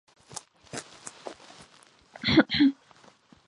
კალთებზე ხშირი ტროპიკული ტყეებია.